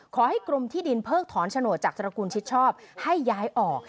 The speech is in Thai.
ขอให้กลุ่มที่ดินเพิกถอนฉนวจจากตระกูลชิดชอบให้ย้ายออก